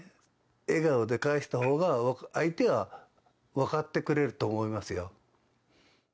笑顔で返したほうが、相手は分かってくれると思いますよ。